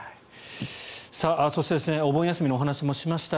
そしてお盆休みのお話もしました。